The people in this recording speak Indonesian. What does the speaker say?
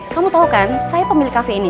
kamu tahu kan saya pemilik kafe ini